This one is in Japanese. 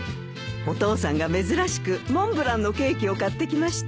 お父さんが珍しくモンブランのケーキを買ってきました。